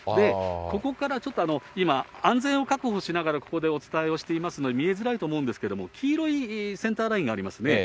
ここからちょっと今、安全を確保しながらここでお伝えをしていますので、見えづらいと思うんですけれども、黄色いセンターラインがありますね。